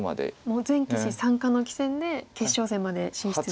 もう全棋士参加の棋戦で決勝戦まで進出して。